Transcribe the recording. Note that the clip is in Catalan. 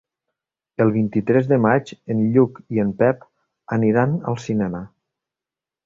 El vint-i-tres de maig en Lluc i en Pep aniran al cinema.